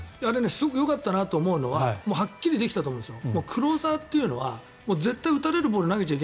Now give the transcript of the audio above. すごくよかったなと思うのははっきりできたと思うんですよ。